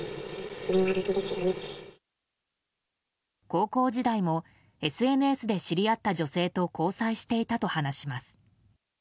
高校時代もＳＮＳで知り合った女性と交際していたと話します。